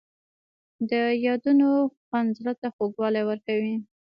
د یادونو خوند زړه ته خوږوالی ورکوي.